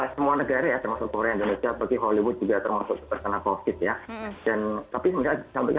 semua negara ya termasuk korea indonesia bagi hollywood juga termasuk terkena covid ya